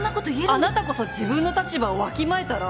あなたこそ自分の立場をわきまえたら？